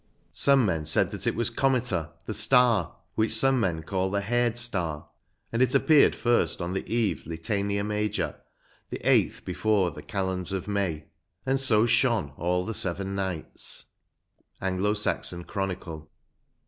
Some men said that it was cometa, the star, which some men call the haired star; and it appeared first on the eve Litania Major, the 8th before the Kalends of May, and so shone all the seven nights." — Anglo Saxon Chro nicle.